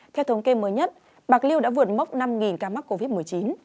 theo thống kê mới nhất bạc liêu đã vượt mốc năm ca mắc covid một mươi chín